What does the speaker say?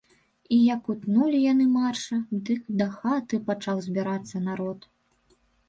І як утнулі яны марша, дык да хаты пачаў збірацца народ.